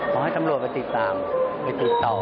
ให้ตำรวจไปติดตามไปติดต่อ